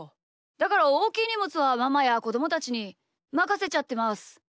だからおおきいにもつはママやこどもたちにまかせちゃってます。